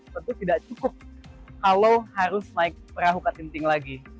tentu tidak cukup kalau harus naik perahu katinting lagi